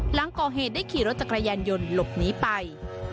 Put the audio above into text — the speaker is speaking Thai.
หลังก่อเหตุได้ขี่รถจักรยานยนต์หลบหนีไป